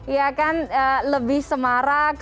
ya kan lebih semarak